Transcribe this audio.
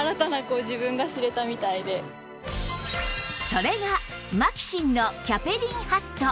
それがマキシンのキャペリンハット